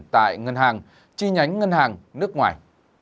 tại ngân hàng chi nhánh ngân hàng nước ngoài